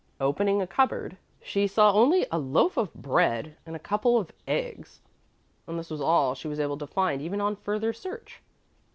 Opening a cupboard, she saw only a loaf of bread and a couple of eggs, and this was all she was able to find even on further search.